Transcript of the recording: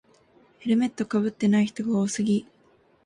ヘルメットかぶってない人が多すぎ